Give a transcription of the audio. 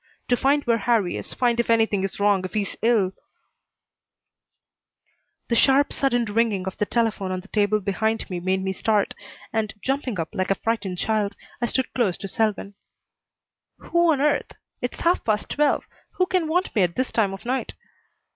To find where Harrie is, find if anything is wrong, if he's ill " The sharp, sudden ringing of the telephone on the table behind me made me start, and, jumping up like a frightened child, I stood close to Selwyn. "Who on earth It's half past twelve. Who can want me at this time of night?"